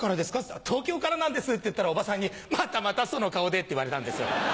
って「東京からなんです」って言ったらおばさんに「またまたその顔で」って言われたんですよ。